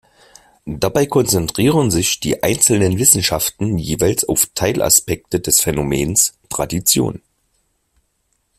Dabei konzentrieren sich die einzelnen Wissenschaften jeweils auf Teilaspekte des Phänomens "Tradition".